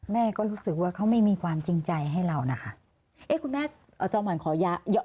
แม่ก็รู้สึกว่าเขาไม่มีความจริงใจให้เรานะคะเอ๊ะคุณแม่เอาจอมขวัญขอ